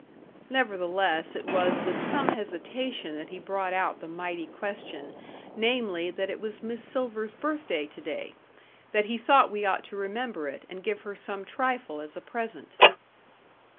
Nevertheless, it was with some hesitation that he brought out the mighty question, namely, that it was Miss Silver's birthday to day; that he thought we ought to remember it, and give her some trifle as a present.